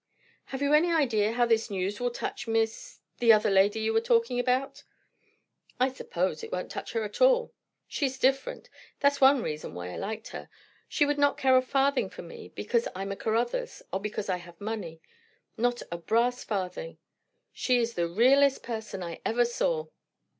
"Have you any idea how this news will touch Miss the other lady you were talking about?" "I suppose it won't touch her at all. She's different; that's one reason why I liked her. She would not care a farthing for me because I'm a Caruthers, or because I have money; not a brass farthing! She is the _real_est person I ever saw.